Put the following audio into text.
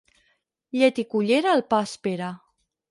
Llet i cullera el pa espera.